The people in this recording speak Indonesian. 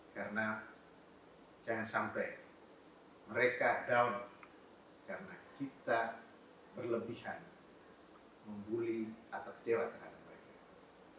karena jangan sampai mereka down karena kita berlebihan membuli atau kecewa terhadap mereka